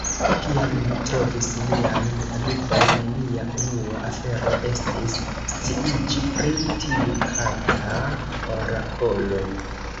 Kiam ni trovis niajn amikojn, nia unua afero estis sciiĝi pri tiu kata orakolo.